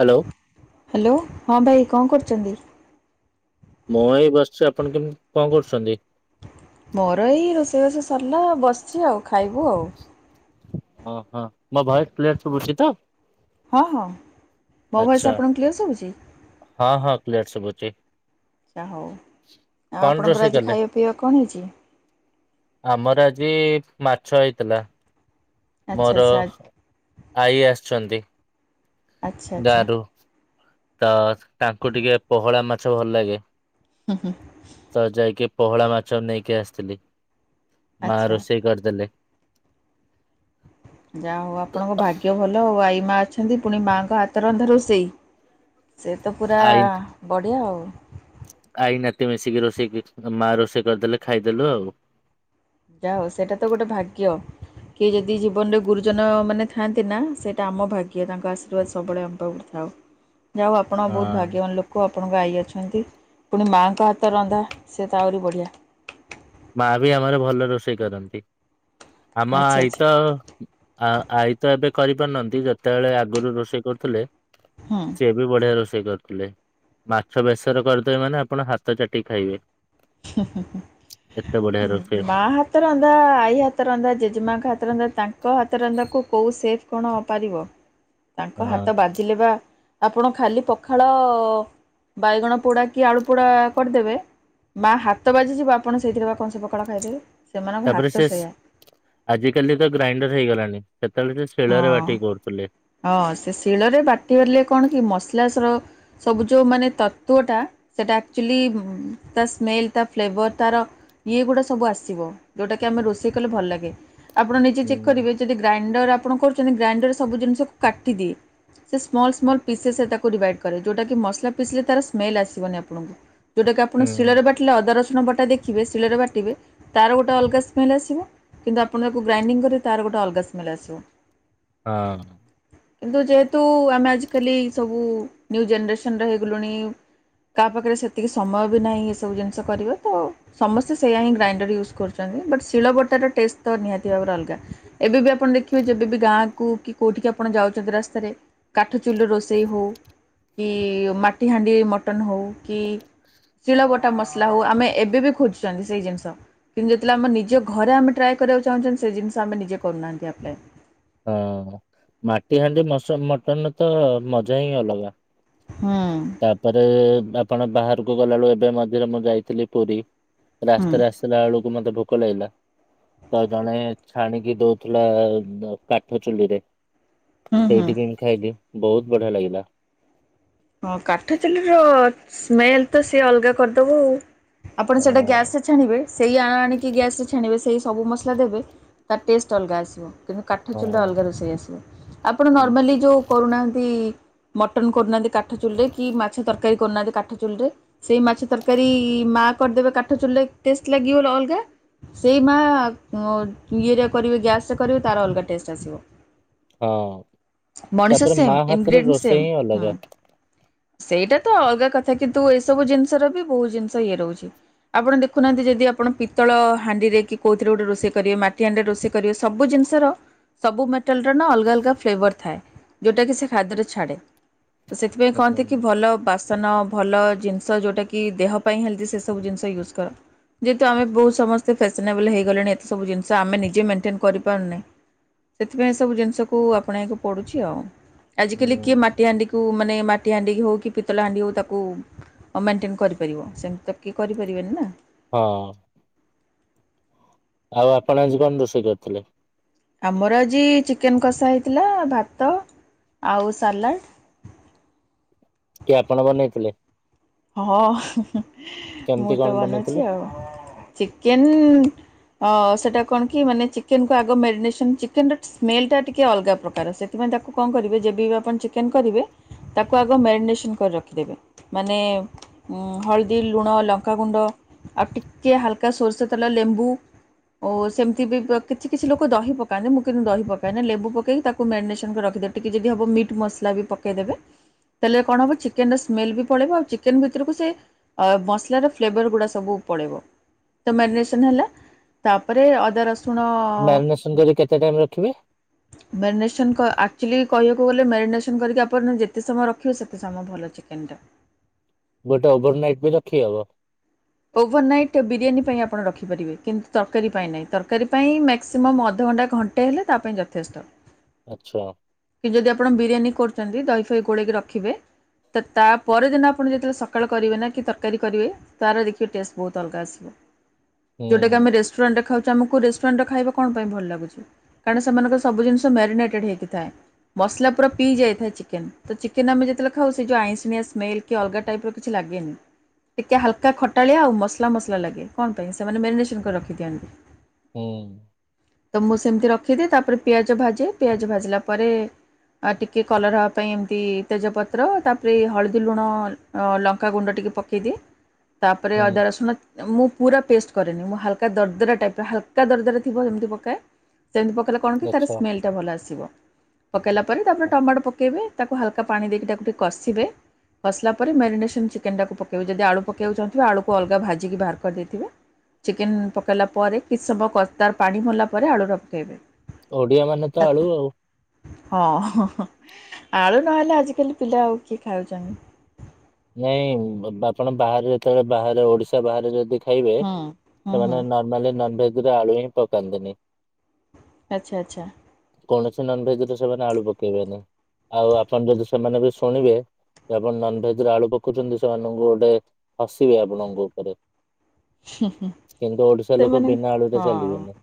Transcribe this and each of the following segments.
Hello. Hello. ହଁ ଭାଇ କଣ କରୁଛନ୍ତି? ମୁଁ ଏଇ ବସିଛି। ଆପଣ କେମିତି କଣ କରୁଛନ୍ତି? ମୋର ଏଇ ରୋଷେଇବାସ ସରିଲା। ବସିଛି ଆଉ। ଖାଇବୁ ଆଉ। ଓହୋ। ମୋ ଭଏସ୍ କ୍ଲିଅର୍ ସୁବୁଛି ତ? ହଁ ହଁଲ ମୋ ଭଏସ୍ ଆଚ୍ଛା ଆପଣଙ୍କୁ କ୍ଲିଅର୍ ସବୁଛି? ହଁ ହଁ। କ୍ଲିୟର ସୁବୁଛି। ଆଚ୍ଛା ହଉଲ ଆଉ ଆପଣଙ୍କର ରୋଷେଇ ଆଜି କଲେ? ଖାଇବା ପିଇବା କଣ ହେଇଛି? ଆମର ଆଜି ମାଛ ହେଇଥିଲା। ଆଚ୍ଛା ମୋର ଆଚ୍ଛା ଆଚ୍ଛା ଆଈ ଆସିଛନ୍ତି। ଆଚ୍ଛା ଦାରୁ। ତ ତାଙ୍କୁ ଟିକେ ପୋହଳା ମାଛ ଭଲ ଲାଗେ। ହୁଁ ହୁଁ ତ ଯାଇକି ପୋହଳା ମାଛ ନେଇକି ଆସିଥିଲି। ମା ଆଚ୍ଛା ରୋଷେଇ କରିଦେଲେ। ଯାହା ହଉ ଆପଣଙ୍କ ଭାଗ୍ୟ ଭଲ ଆଉ। ଆଈ ମା ଅଛନ୍ତି ପୁଣି ମାଆଙ୍କ ହାତ ରନ୍ଧା ରୋଷେଇ? ସେ ତ ପୁରା ଆଇ ବଢ଼ିଆ ଆଉ। ଆଇ ନାତି ମିଶିକି ରୋଷେଇ [unintelligible] ମା ରୋଷେଇ କରିଦେଲେ ଖାଇଦେଲୁ ଆଉ। ଯାହା ହଉ ସେଇଟା ତ ଗୋଟେ ଭାଗ୍ୟ। କିଏ ଯଦି ଜୀବନରେ ଗୁରୁଜନ ମାନେ ଥାଆନ୍ତି ନା? ସେଇଟା ଆମ ଭାଗ୍ୟ। ତାଙ୍କ ଆଶୀର୍ବାଦ ସବୁବେଳେ ଆମ ପାଖରେ ଥାଉ। ଯାହଉ ଆପଣ ବହୁତ ହଁ ଭାଗ୍ୟବାନ ଲୋ କ, ଆପଣଙ୍କ ଆଈ ଅଛନ୍ତି। ପୁଣି ମାଆଙ୍କ ହାତ ରନ୍ଧା ସେ ତ ଆହୁରି ବଢ଼ିଆ। ମା ବି ଆମର ଭଲ ରୋଷେଇ କରନ୍ତି। ଆମ ଆଚ୍ଛା ଆଇ ଆଚ୍ଛା ତ ଆ ଆଈ ତ ଏବେ କରିପାରୁନାହାନ୍ତି। ଯେତେବେଳେ ଆଗରୁ ରୋଷେଇ କରୁଥିଲେ? ହୁଁ। ସିଏ ବି ବଢିଆ ରୋଷେଇ କରିୁଥିଲେ। ମାଛ ବେସର କରିଦେବେ ମାନେ ଆପଣ ହାତ ଚାଟିକି ଖାଇବେ। ଏତେ ବଢିଆ ରୋଷେଇ ମା ହା ହାତ ରନ୍ଧା, ଆଇ ହାତ ରନ୍ଧା, ଜେଜେମାଙ୍କ ହାତ ରନ୍ଧା, ତାଙ୍କ ହାତ ରନ୍ଧାକୁ କୋଉଁ ସେଫ୍ କଣପାରିବ? ତାଙ୍କ ହାତ ହଁ। ବାଜିଲେ ବା ଆପଣ ଖାଲି ପଖାଳ ବାଇଗଣ ପୋଡ଼ା କି ଆଳୁ ପୋଡ଼ା କରିଦେବେ? ମା ହାତ ବାଜିଯିବ ଆପଣ ସେଇଥିରେ ବା କଁସେ ପଖାଳ ଖାଇଦେବେ। ସେମାନଙ୍କ ତାପରେ ହାତ ସେଷ୍ ସେଇଆ ଆଜିକାଲି ତ ଗ୍ରାଇଣ୍ଡର ହେଇଗଲାଣି। ସେତେବେଳେ ସେ ଶିଳରେ ହଁ। ବାଟିକି କରୁଥିଲେ। ହଁ ସେ ଶିଳରେ ବାଟି ଦେଲେ କଣ କି? ମସଲାସ ର ସବୁ ଯୋଉ ମାନେ ତତ୍ତ୍ଵଟା ସେଇଟା ଆକ୍ଚୁଲି ତା ସ୍ମେଲ୍ ତା ଫ୍ଲେଭର ତାର ଇଏ ଗୁଡା ସବୁ ଆସିବ। ଯୋଉଟା କି ଆମେ ରୋଷେଇ କଲେ ଭଲ ଲାଗେ। ଆପଣ ନିଜେ ହୁଁ ଚେକ୍ କରିବେ? ଯଦି ଗ୍ରାଇଣ୍ଡର ଆପଣ କରୁଛନ୍ତି? ଗ୍ରାଇଣ୍ଡରେ ସବୁ ଜିନିଷକୁ କାଟିଦିଏ। ସେ ସ୍ମଲ ସ୍ମଲ ପିସେସ୍ ରେ ତାକୁ ଡିଭାଇଡ୍ କରେ। ଯୋଉଟା କି ମସଲା ପିସିଲେ ତାର ସ୍ମେଲ ଆସିବନି ଆପଣଙ୍କୁ। ଯେଉଟାକି ଆପଣ ହୁଁ ଶିଳରେ ବାଟିଲେ ଅଦା ରସୁଣ ବଟା ଦେଖିବେ ଶିଳରେ ବାଟିବେ? ତାର ଗୋଟେ ଅଲଗା ସ୍ମେଲ୍ ଆସିବ। କିନ୍ତୁ ଆପଣ ତାକୁ ଗ୍ରାଇଣ୍ଡିଙ୍ଗ କରିବେ ତାର ଗୋଟେ ଅଲଗା ସ୍ମେଲ ଆସିବ। ହଁ। କିନ୍ତୁ ଯେହେତୁ ଆମେ ଆଜିକାଲି ସବୁ ନ୍ୟୁ ଜେନେରେସନ ର ହେଗଲୁଣି? କାହା ପାଖରେ ସେତିକି ସମୟ ବି ନାହିଁ ଏସବୁ ଜିନିଷ କରିବ। ତ ସମସ୍ତେ ସେଇୟା ହିଁ ଗ୍ରାଇଣ୍ଡର ୟୁଜ୍ କରୁଛନ୍ତି। ବଟ୍ ଶିଳ ବଟାର ଟେଷ୍ଟ ତ ନିହାତି ଭାବରେ ଅଲଗା। ଏବେ ବି ଆପଣ ଦେଖିବେ? ଯେବେ ବି ଗାଁ କୁ କି କୋଉଠିକି ଆପଣ ଯାଉଛନ୍ତି ରାସ୍ତାରେ? କାଠ ଚୁଲିରେ ରୋଷେଇ ହଉ କି ମାଟି ହାଣ୍ଡି ମଟନ ହଉ? କି ଶିଳ ବ ଟା ମସଲା ହଉ? ଆମେ ଏବେ ବି ଖୋଜୁଛନ୍ତି ସେଇ ଜିନିଷ। କିନ୍ତୁ ଯେତେବେଳେ ଆମ ନିଜ ଘରେ ଆମେ ଟ୍ରାଏ କରିବାକୁ ଚାହୁଁଛନ୍ତି? ସେ ଜିନିଷ ଆମେ ନିଜେ କରୁନାହାଁନ୍ତି ଆପ୍ଲାଏ। ହଁ ମାଟି ହାଣ୍ଡି ମସନ ମଟନରେ ତ ମଜା ହିଁ ଅଲଗା। ହୁଁ। ତାପରେ ଆପଣ ବାହାରକୁ ଗଲାବେଳୁ ଏବେ ମଝିରେ ମୁଁ ଯାଇଥିଲି ପୁରୀ। ହୁଁ ରାସ୍ତାରେ ଆସ ଆସିଲାବେଳକୁ ମତେ ଭୋକ ଲାଗିଲା। ତ ଜଣେ ଛାଣିକି ଦଉଥିଲା କାଠ ଚୁଲିରେ। ହୁଁ ହୁଁ। ସେଇଠି କିଣି ଖାଇକି ବୋହୁତ ବଢିଆ ଲାଗିଲା। ହଁ କାଠ ଚୁଲିର ସ୍ମେଲ ତ ସିଏ ଅଲଗା କରିଦବ ଆଉ। ଆପଣ ହଁ ସେଇଟା ଗ୍ୟାସରେ ଛାଣିବେ? ସେଇ ଆଣ ଆଣିକି ଗ୍ୟାସରେ ଛାଣିବେ। ସେଇ ସବୁ ମସଲା ଦେବେ। ତାର ଟେଷ୍ଟ ଅଲଗା ଆସିବ। କିନ୍ତୁ କାଠ ଚୁଲିରେ ହଁ। ଅଲଗା ରୋଷେଇ ଆସିବ। ଆପଣ ନର୍ମାଲି ଯୋଉ କରୁନାହାନ୍ତି? ମଟନ କରୁନାହାନ୍ତି କାଠ ଚୁଲିରେ କି ମାଛ ତରକାରୀ କରୁନାହାନ୍ତି କାଠ ଚୁଲିରେ? ସେଇ ମାଛ ତରକାରୀ ମା କରିଦେବେ କାଠ ଚୁଲିରେ ଟେଷ୍ଟ ଲାଗିବ ଅଲଗା। ସେଇ ମା ଅ ଇଏରେ କରିବେ ଗ୍ୟାସରେ କରିବେ ତାର ଅଲଗା ଟେଷ୍ଟ ଆସିବ। ହଁ ମଣିଷ ତାପରେ ମା ସେମ୍ ହାତର ଇନ୍ଗ୍ରିଡିଣ୍ ରୋଷେଇ ସେମ୍ ହିଁ ହୁଁ। ଅଲଗା। ସେଇଟା ତ ଅଲଗା କଥା କିନ୍ତୁ ଏସବୁ ଜିନିଷର ବି ବହୁତ ଜିନିଷ ଇଏ ରହୁଛି। ଆପଣ ଦେଖୁନାହାନ୍ତି, ଯଦି ଆପଣ ପିତଳ ହାଣ୍ଡିରେ କି କୋଉଥିରେ ଗୋଟେ ରୋଷେଇ କରିବେ? ମାଟି ହଣ୍ଡିରେ ରୋଷେଇ କରିବେ? ସବୁ ଜିନିଷର ସବୁ ମେଟାଲର ନା ଅଲଗା ଅଲଗା ଫ୍ଲେଭର ଥାଏ। ଯୋଉଟାକି ସେ ଖାଦ୍ୟରେ ଛାଡେ। ସେଥିପାଇଁ ହୁଁ ହୁଁ। କହନ୍ତି କି? ଭଲ ବାସ ସନ ଭଲ ଜିନିଷ ଯୋଉଟାକି ଦେହ ପାଇଁ ହେଲ୍ଦି, ସେ ସବୁ ଜିନିଷ ୟୁଜ୍ କର। ଯେହେତୁ ଆମେ ବହୁତ ସମସ୍ତେ ଫ୍ୟାସନେବଲ ହେଇଗଲେଣି। ଏତେ ସବୁ ଜିନିଷ ଆମେ ନିଜେ ମେଣ୍ଟେନ କରିପାରୁନେ? ସେଥିପାଇଁ ସବୁ ଜିନିଷକୁ ଆପଣେଇକୁ ପଡୁଛି ଆଉ। ଆଜିକାଲି ହୁଁ କିଏ ମାଟି ହାଣ୍ଡି କୁ ମାନେ ମାନେ ମାଟି ହାଣ୍ଡି କି ହଉ କି ପିତଳ ହାଣ୍ଡି ହଉ ତାକୁ ଅ ମେଣ୍ଟେନ୍ କରିପାରିବ? ସେମିତି ତ କିଏ କରିପାରିବେନି ନା। ହଁ। ଆଉ ଆପଣ ଆଜି କଣ ରୋଷେଇ କରିଥିଲେ? ଆମର ଆଜି ଚିକେନ କଷା ହେଇଥିଲା। ଭାତ ଆଉ ସାଲାଡ଼। କିଏ ଆପଣ ବନେଇଥିଲେ? ହଁଲ କେମିତି ମୁଁ କଣ ତ ବନେଇଥିଲେ? ବନଉଛି ଆଉ। ଚିକେନ୍ ହ। ସେଟା କଣ କି ମାନେ ଚିକେନ କୁ ଆଗ ମେରିନେସନ୍ ଚିକେନର ସ୍ମେଲ ଟା ଟିକେ ଅଲଗା ପ୍ରକାର। ସେଥିପାଇଁ ତାକୁ କଣ କରିବେ? ଯେବେ ବି ଆପଣ ଚିକେନ କରିବେ? ତାକୁ ଆଗ ମେରିନେସନ କରି ରଖିଦେବେ। ମାନେ ହଳଦୀ, ଲୁଣ, ଲଙ୍କାଗୁଣ୍ଡ ଆଉ ଟିକେ ହାଲକା ସୋରିଷ ତେଲ, ଲେମ୍ବୁ ଓ ସେମିତି ବି କିଛି କିଛି ଲୋକ ଦହି ପକାନ୍ତି। ମୁଁ କିନ୍ତୁ ଦହି ପକାଏନି ଲେମ୍ବୁ ପକେଇକି ତାକୁ କୁ ମାରିନେସନ୍ କରି ରଖିଦେବେ। ଟିକେ ଯଦି ହେବ ମିଟ୍ ମସଲା ବି ପକାଇଦେବେ। ତାଲେ କଣ ହବ? ଚିକେନର ସ୍ମେଲ ବି ପଳେଇିବ ଆଉ ଚିକ୍ କେନ ଭିତରକୁ ସେ ଅ ମସଲାର ଫ୍ଲେଭର ଗୁଡ଼ା ସବୁ ପଳେଇବ। ତ ମେରିନେସନ ହେଲା। ତାପରେ ଅଦା ରସୁଣ ମ୍ୟାରିନେସନ କରି କେତେ ଟାଇମ ରଖିବେ ମେରିନେସନ୍ ଆକ୍ଚୁଆଲି କହିବାକୁ ଗଲେ ମେରିନେସନ୍ କରିକି ଆପଣ ଯେତେ ସମୟ ରଖିବେ ସେତେ ସମୟ ଭଲ। ଚିକେନ୍ ଟା। ଗୋଟେ ଓଭର ନାଇଟ୍ ବି ରଖି ହବ? ଓଭର ନାଇଟ୍ ବିରିୟାନୀ ପାଇଁ ଆପଣ ରଖିପାରିବେ, କିନ୍ତୁ ତରକାରୀ ପାଇଁ ନାହିଁ। ତରକାରୀ ପାଇଁ ମ୍ୟାକ୍ସିମମ୍ ଅଧଘଣ୍ଟା ଘ ଣ୍ଟେ ହେଲେ ତା ପାଇଁ ଯଥେଷ୍ଟ। ଆଚ୍ଛା। କି ଯଦି ଆପଣ ବିରିୟାନୀ କରୁଛନ୍ତି? ଦହି ଫହି ଗୋଳେଇକି ରଖିବେ? ତ ତାପଦିନ ଆପଣ ଯେତେବେଳେ ସକାଳ କରିବେ ନା କି ତରକାରୀ କରିବେ? ତାର ଦେଖିବେ ଟେଷ୍ଟ ବହୁତ ଅଲଗା ଆସିବ। ହୁଁ ଯୋଉଟାକି ଆମେ ରେସ୍ ଟୁରାଣ୍ଟରେ ଖାଉଛେ ଆମକୁ ରେଷ୍ଟୁରାଣ୍ଟର ଖାଇବା କଣ ପାଇଁ ଭଲ ଲାଗୁଚି? କାରଣ ସେମାନଙ୍କର ସବୁ ଜିନଷ ମ୍ୟାରିିନେଟେଡ ହେଇକିଥାଏ। ମସଲା ପୁରା ପିଇ ଯାଇଥାଏ ଚିକେନ। ତ ଚିକେନ ଆମେ ଯେତେବେଳେ ଖାଉ ସେ ଯୋଉ ଆଇଁଷିଣିଆ ସ୍ମେଲ କି ଅଲଗା ଟାଇପ ର କିଛି ଲାଗେନି। ଟିକେ ହାଲକା ଖଟାଳିଆ ଆଉ ମସଲା ମସଲା ଲାଗେ କଣ ପାଇଁ ସେମାନେ ମ୍ୟାରିନେସନ୍ କରି ରଖିଦିଅନ୍ତି। ହୁଁ। ତ ମୁଁ ସେମିତି ରଖିଦିଏ ତାପରେ ପିଆଜ ଭାଜେ ପିଆଜ ଭାଜିଲା ପରେ ଆ ଟିକେ କଲର୍ ହବା ପାଇଁ ଏମିତି ତେଜପତ୍ର ତାପରେ ହଳଦୀ ଲୁଣ ଲଙ୍କାଗୁଣ୍ଡ ଟିକେ ପକେଇଦିଏ। ତାପରେ ହୁଁ ଅଦା ରସୁଣ ନାଁ ମୁଁ ପୁରା ପେଷ୍ଟ କରେନି ମୁଁ ହାଲକା ଦରଦରା ଟାଇପ୍ ର ହାଲକା ଦରଦରା ଥିବ ଏମିତି ପକାଏ। ସେମିତି ପକେଇଲେ କଣ କି ତାର ଆଚ୍ଛା। ସ୍ମେଲ୍ସଟା ଭଲ ଆସିବ। ପକେଇଲା ପରେ ତା ପରେ ଟମାଟୋ ପକେଇବେ ତାକୁ ହାଲକା ପାଣି ଦେଇକି ତାକୁ ଟିକେ କଷିବେ। କଷିଲା ପରେ ମ୍ୟାରିନେସନ୍ ଚିକେନ୍ ଟାକୁ ପକେଇବି ଯଦି ଆଳୁ ପକେଇବାକୁ ଚାହୁଁଥିବେ ଆଳୁକୁ ଅଲଗା ଭାଜିକି ବାହାର କରିଦେଇଥିବେ। ଚିକେନ୍ ପକେଇଲା ପରେ କିଛି ସମୟ କର ତାର ପାଣି ମରିଲା ପରେ ଆଳୁର କେଇବେ। ଓଡ଼ିଆ ମାନେ ତ ଆଳୁ ଆଉ। ହଁ ଆଳୁ ନହେଲେ ଆଜିକାଲି ପିଲା ଆଉ କିଏ ଖାଉଚନ୍ତି? ନାଇଁ ବ ଆପଣ ବାହାରେ ଯେତଳେ ବାହାରେ ଓଡ଼ିଶା ବାହାରେ ଯଦି ଖାଇବେ ହୁଁ ହୁଁ ହୁଁ ସେମାନେ ନ ମାନେ ନନଭେଜ୍ ରେ ଆଳୁ ହିଁ ପକାନ୍ତିିନି। ଆଚ୍ଛା ଆଚ୍ଛା। କୌଣସି ନନଭେଜ୍ ରେ ସେମାନେ ଆଳୁ ପକେଇବେନେଇ। ଆଉ ଆପଣ ଯଦି ସେମାନେ ବି ଶୁଣିବେ ଯେ ଆପଣ ନନଭେ ଧରେ ଆଳୁ ପକଉଚନ୍ତି ସେମାନଙ୍କୁ ଗୋଟେ ହସିବେ ଆପଣଙ୍କ ଉପରେ। ହୁଁ ହୁଁ କିନ୍ତୁ ଓଡ଼ିଶା ଲୋକ ସେମାନେ ବିନା ଆଳୁରେ ହଁ ଚାଲିବେନି।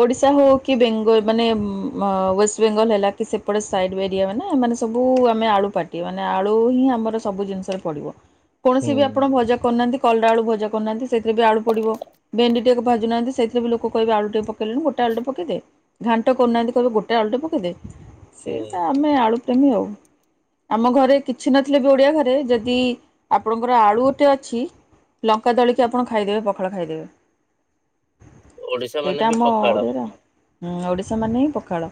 ଓଡ଼ିଶା ହଉ କି ବେଙ୍ଗ ମାନେ ମ ୱେଷ୍ଟବେେଙ୍ଗଲ୍ ହେଲା କି ସେପଟେ ସାଇଡ଼୍ ବେରିଆ ମାନେ ମାନେ ସବୁ ଆମେ ଆଳୁ ପାଟି ମାନେ ଆଳୁ ହିଁ ଆମର ସବୁ ଜିନିଷରେ ପଡ଼ିବ। କୌଣସି ହୁଁ। ବି ଆପଣ ଭଜା କରୁନାହାନ୍ତି କଲରା ଆଳୁ ଭଜା କରୁନାହାନ୍ତି ସେଇଥିରେ ବି ଆଳୁ ପଡ଼ିବ ଭେଣ୍ଡି ଟିଏକୁ ଭାଜୁ ନାହାନ୍ତି ସେଇଥିରେ ଲୋକ କହିବେ ଆଳୁଟିଏ ପେଇଲୁନି ଗୋଟେ ଆଳୁଟେ ପକେଇଦେ। ଘାଣ୍ଟ କରୁନାହାନ୍ତି କହିବେ ଗୋଟେ ଆଳୁଟେ ପକେଇଦେ ସେଇ ହୁଁ ପା ଆମେ ଆଳୁ ପ୍ରେମୀ ଆଉ। ଆମ ଘରେ କିଛି ନଥିଲେ ବି ଓଡ଼ିଆ ଘରେ ଯଦି ଆପଣଙ୍କର ଆଳୁ ଓଟେ ଅଛି ଲଙ୍କା ଦଳିକି ଆପଣ ଖାଇଦେବେ ପଖାଳ ଖାଇଦେବେ। ଓଡିଶା ମାନେ ସେଇଟା ବି ଆମ ପଖାଳ ଓଡ଼ିରା ହୁଁ ଓଡ଼ିଶା ମାନେ ହିଁ ପଖାଳ।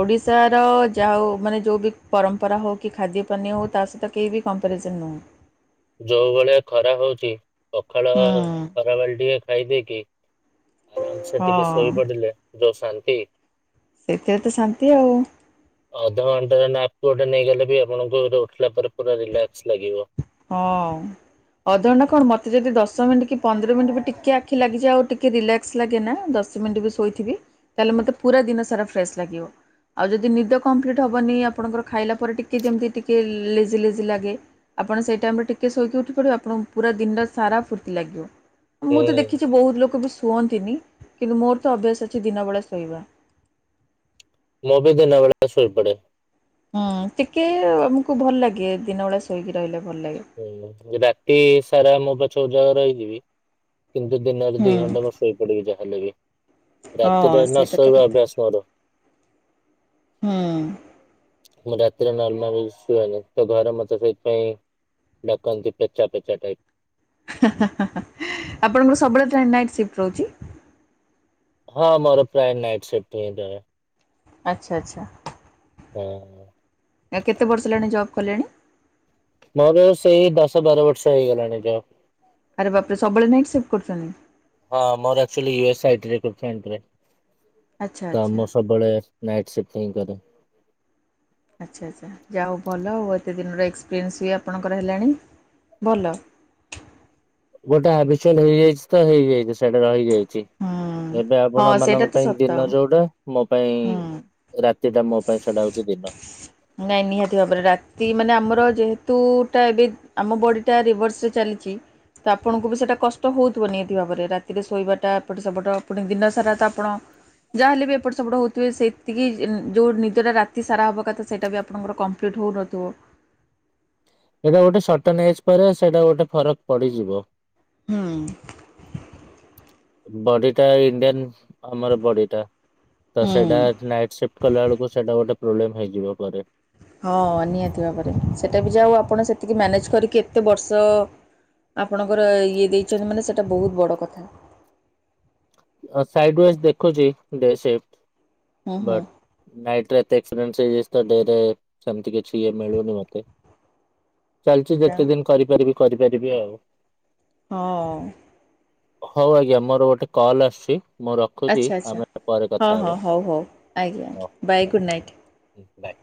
ଓଡ଼ିଶାର ଯାହା ହଉ ମାନେ ଯଉ ବି ପରମ୍ପରା ହଉ କି ଖାଦ୍ୟ ପାନୀୟ ହଉ ତା ସହିତ କେହି ବି କମ୍ପାରିଜନ୍ ନୁହଁ। ଯୋଉ ଭଳିଆ ଖରା ହଉଚି ପଖାଳ ହୁଁ ଖରା ବେଳେ ଟିଏ ଖାଇଦେଇକି ଆରାମସେ ଟିକେ ହଁ ଶୋଇ ପଡ଼ିଲେ ଯୋଉ ଶାନ୍ତି ଏଥିରେ ତ ଶାନ୍ତି ଆଉ। ଅଧଘଣ୍ଟେର ନାପ୍ କୁ ଗୋଟେ ନେଇଗଲେ ବି ଆପଣଙ୍କୁ ର ଉଠିଲା ପରେ ପୁରା ରିଲାକ୍ସ୍ ଲାଗିବ। ହଁ। ଅଧଘଣ୍ଟା କଣ ମତେ ଯଦି ଦଶ ମିଣ୍ଟି କି ପନ୍ଦର ମିଣ୍ଟି ବି ଟିକେ ଆଖି ଲାଗିଚି ଆଉ ଟିକେ ରିଲାକ୍ ସ୍ ଲାଗେ ନାଁ ଦଶ ମିଣ୍ଟି ବି ଶୋଇଥିବି ତାହେଲେ ମତେ ପୁରା ଦିନ ସାରା ଫ୍ରେସ୍ ଲାଗିବ। ଆଉ ଯଦି ନିଦ କମ୍ପ୍ଲିଟ୍ ହବନି ଆପଣଙ୍କର ଖାଇଲା ପରେ ଟିକେ ଯେମତି ଟିକେ ଲେଜି ଲେଜି ଲାଗେ ଆପଣ ସେଇ ଟାଇମ୍ ରେ ଟିକେ ଶୋଇକି ଉଠି ପଡ଼ିବେ ଆଣଙ୍କୁୁ ପୁରା ଦିନ ସାରା ଫୁର୍ତ୍ତି ଲାଗିବ। ମୁଁ ତ ହୁଁ। ଦେଖିଚି ବହୁତ ଲୋକ ବି ଶୁଅନ୍ତିନି କିନ୍ତୁ ମୋର ତ ଅଭ୍ୟାସ ଅଛି ଦିନ ବେଳେ ଶୋଇବା। ମୁଁ ବି ଦିନ ବେଳା ଶୋଇ ପଡ଼େ। ହୁଁ ଟିକେ ଆମୁକୁ ଭଲ ଲାଗେ ଦିନ ବେଳା ଶୋଇକି ରହିଲେ ଭଲ ଲାଗେ। ହୁଁ ଯେ ରାତି ସାରା ମୁଁ ପଛେ ଉଜାଗର ହେଇଯିବି କିନ୍ତୁ ଦିନରେ ହୁଁ ଦି ଘଣ୍ଟା ବସ୍ ଶୋଇ ପଡ଼ିବି ଯା ହେଲେ ବି। ରାତିରେ ହଁ ସେଇଟା ତ ନଶୋଇବା କଥା ଅଭ୍ୟାସ ମୋର। ହୁଁ। ମୁଁ ରାତିରେ ନର୍ମାଲ୍ ଶୁଏନି ତ ଘରେ ମତେ ସେଇଥିପାଇଁ ଡ଼ାକନ୍ତି ପେଚା ପେଚା ଟାଇପ୍। ଆପଣଙ୍କର ସବୁବେଳେ ଟ୍ରେନ୍ ନାଇଟ୍ ସିଫ୍ଟ ରହୁଚି? ହଁ ମୋର ପ୍ରାୟ ନାଇଟ୍ ସିପ୍ଟ ହିଁ ରହେ। ଆଚ୍ଛା ଆଚ୍ଛା। ହଁ। ଆ କେତେ ବର୍ଷ ହେଲାଣି ଜବ୍ କଲେଣି? ମୋର ସେଇ ଦଶ ବାର ବର୍ଷ ହେଇଗଲାଣି ଯବ୍। ଆରେ ବାପରେ ସବବେଳେ ନାଇଟ୍ ସିପ୍ଟ କରୁଛନ୍ତି? ହଁ ମୋର ଏକ୍ଟୁଆଲି ୟେ ସାଇଟ୍ ରେ [unintelligible] ଆଚ୍ଛା ଆଚ୍ଛା। କାମ ସବୁ ପଳେଇ ଆସେ ନାଇଟ୍ ସିଫ୍ଟ ହିଁ କରେ। ଆଚ୍ଛା ଆଚ୍ଛା ଯା ହେଉ ଭଲ, ଆଉ ଏତେ ଦିନର ଏକ୍ସପିରିଏନ୍ସ ବି ଆପଣଙ୍କର ହେଲାଣି ଭଲ। ଗୋଟେ ହାବିଚୁଅଲ୍ ହେଇଯାଇଛି ତ ହେଇଯାଇଛି ସେଇଟା ରହିଯାଇଛି। ହୁଁ ଏବେ ଆପଣ ହଁ ସେଇଟା ମାନଙ୍କ ତ ପାଇଁ ସତ ଦିନ ଯୋଉଟା, ମୋ ପାଇଁ ହୁଁ। ରାତିଟା ମୋ ପାଇଁ ସେଇଟା ହଉଛି ଦିନ। ନାଇଁ ନିହାତି ଭାବରେ, ରାତି ମାନେ ଆମର ଯେହେତୁ ଟା ଏବେ ଆମ ବଡିଟା ରିଭର୍ସ ରେ ଚାଲିଛି। ତ ଆପଣଙ୍କୁ ବି ସେଇଟା କଷ୍ଟ ହେଉଥିବ ନିହାତି ଭାବରେ, ରାତିରେ ଶୋଇବାଟା ଏପଟେ ସେପଟ ପୁଣି ଦିନସାରା ତ ଆପଣ ଯାହା ହେଲେ ବି ଏପଟ ସେପଟ ହଉଥିବେ, ସେତିକି ଯେଉଁ ନିଦଟା ରାତି ସାରା ହେବା କଥା, ସେଇଟା ବି ଆପଣଙ୍କର କମ୍ପ୍ଲିଟ୍ ହଉନଥିବ। ଏଇଟା ଗୋଟେ ସଟନ୍ ଏଜ୍ ପରେ ସେଇଟା ଗୋଟେ ଫରକ ପଡିଯିବ। ହୁଁ। ବଡି ଟା ଇଣ୍ଡିଆନ ଆମର ବଡିଟା, ତ ହୁଁ ସେଇଟା ନାଇଟ ସିଫ୍ଟ କଲା ବେଳକୁ ସେଇଟା ଗୋଟେ ପ୍ରୋବ୍ଲେମ ହେଇଯିବ ପରେ। ହଁ ନିହାତି ଭାବରେ, ସେଇଟା ବି ଯା ହଉ ଆପଣ ସେତିକି ମ୍ୟାନେଜ୍ କରିକି ଏତେ ବର୍ଷ ଆପଣଙ୍କର ଇଏ ଦେଇଛନ୍ତି ମାନେ ସେଇଟା ବହୁତ ବଡ଼ କଥା। ସାଇଡ ୱାଇଜ୍ ଦେଖୁଛି ଡେ ସିଫ୍ଟ ହୁଁ ହୁଁ ବଟ ନାଇଟରେ ଏତେ ଏକ୍ସପିରେନ୍ସ ହେଇଯାଇଚି, ତ ଡେ ରେ ସେମିତି କିଛି ଇଏ ମିଳୁନି ମତେ। ଚାଲିଚି ଯେତେ ଦିନ କରିପାରିବି କରିପାରିବି ଆଉ। ହଁ। ହଉ ଆଜ୍ଞା ମୋର ଗୋଟେ କଲ୍ ଆସୁଛି ମୁଁ ରଖୁଛି ଆଚ୍ଛା ଆଚ୍ଛା ଆମେ ପରେ ହଁ କଥା ହଁ ହବା ଆଜ୍ଞା ହଉ ଆଜ୍ଞା ବାଏ ଗୁଡ଼୍ ନାଇଟ୍ ହଉ। ବାଏ।